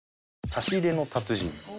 差し入れの達人。